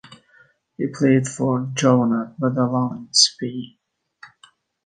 He played for Joventut Badalona in Spain.